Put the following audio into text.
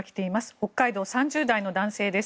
北海道、３０代の男性です。